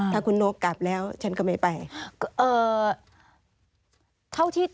ถ้าคุณโน๊กกลับแล้วฉันก็ไม่ไป